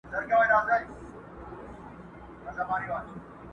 وطن مو خپل پاچا مو خپل طالب مُلا مو خپل وو٫